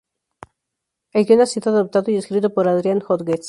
El guion ha sido adaptado y escrito por Adrian Hodges.